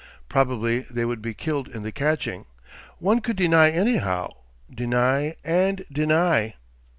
Probably they would be killed in the catching.... One could deny anyhow, deny and deny.